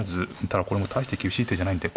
ただこれも大して厳しい手じゃないんで。